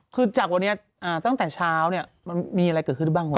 คือจากวันนี้ตั้งแต่เช้าเนี่ยมันมีอะไรเกิดขึ้นได้บ้างวะ